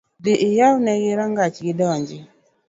Dhii iyawnegi rangach gidonji